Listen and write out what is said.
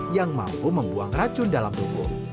yang mampu membuang racun dalam tubuh